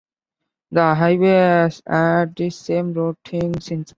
The highway has had the same routing since.